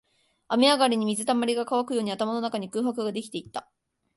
雨上がりに水溜りが乾くように、頭の中に空白ができていった